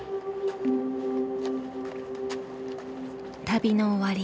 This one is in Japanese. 旅の終わり。